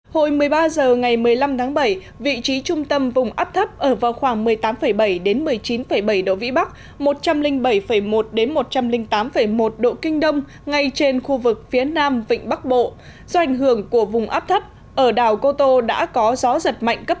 hồi một mươi ba h ngày một mươi năm tháng bảy vị trí trung tâm vùng áp thấp ở vào khoảng một mươi tám bảy một mươi chín bảy độ vĩ bắc một trăm linh bảy một trăm linh tám một độ kinh đông ngay trên khu vực phía nam vịnh bắc bộ do ảnh hưởng của vùng áp thấp ở đảo cô tô đã có gió giật mạnh cấp tám